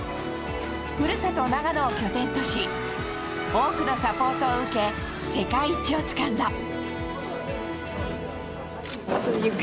故郷・長野を拠点とし多くのサポートを受け世界一をつかんだ。